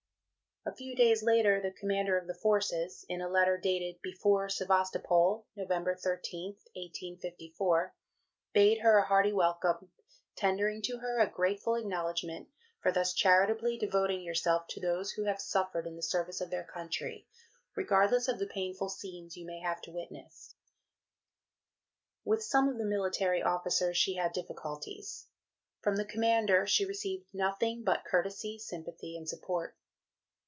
A few days later, the Commander of the Forces, in a letter dated "Before Sevastopol, Nov. 13th, 1854," bade her a hearty welcome, tendering to her a "grateful acknowledgment for thus charitably devoting yourself to those who have suffered in the service of their country, regardless of the painful scenes you may have to witness." With some of the military officers she had difficulties; from the Commander she received nothing but courtesy, sympathy, and support.